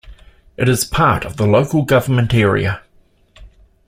It is part of the local government area.